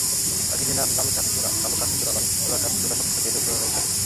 পাখিটির নাম লাল কাঁচিচোরা, কালো কাঁচিচোরা, লালচোরা, কাচিখোঁচা, চকচকে দো-চরা ইত্যাদি।